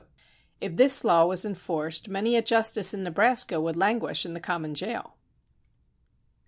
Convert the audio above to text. If this law was enforced many a justice in Nebraska would languish in the common jail.